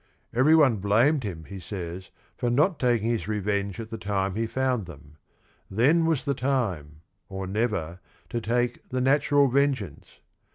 Every one blamed him, he says, for not taking his revenge at the time he found them : then was the time, or never, "to take the natural vengeance."